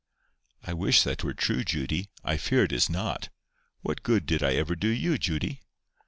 "I wish that were true, Judy. I fear it is not. What good did I ever do you, Judy?"